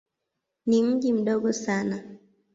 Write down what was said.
Ni mji mdogo sana.